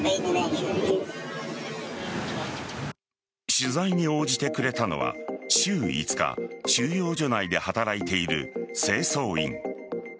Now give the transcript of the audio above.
取材に応じてくれたのは週５日収容所内で働いている清掃員。